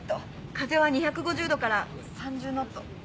風は２５０度から３０ノット。